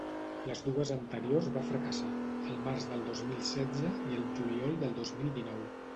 Les dues anteriors va fracassar: el març del dos mil setze i el juliol del dos mil dinou.